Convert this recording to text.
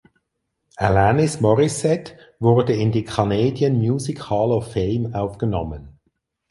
Alanis Morissette wurde in die Canadian Music Hall of Fame aufgenommen.